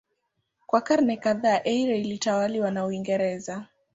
Kwa karne kadhaa Eire ilitawaliwa na Uingereza.